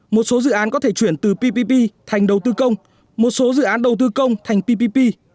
một số dự án có thể chuyển từ ppp thành đầu tư công một số dự án đầu tư công thành ppp